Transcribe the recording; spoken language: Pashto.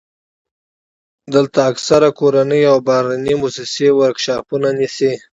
دلته اکثره کورنۍ او بهرنۍ موسسې ورکشاپونه نیسي.